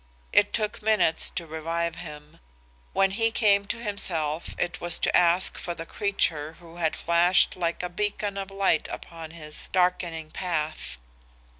It took minutes to revive him. When he came to himself it was to ask for the creature who had flashed like a beacon of light upon his darkening path.